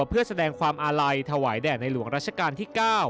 เพื่อแสดงความอาลัยถวายแด่ในหลวงรัชกาลที่๙